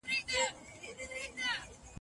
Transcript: اقتصادي پرمختيا کولی سي فني معلومات زيات کړي.